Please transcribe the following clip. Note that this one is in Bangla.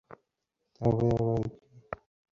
তবে আবার কী।